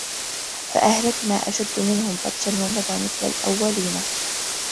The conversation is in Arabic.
فَأَهلَكنا أَشَدَّ مِنهُم بَطشًا وَمَضى مَثَلُ الأَوَّلينَ